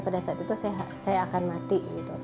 pada saat itu saya akan mati